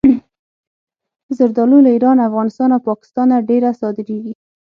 زردالو له ایران، افغانستان او پاکستانه ډېره صادرېږي.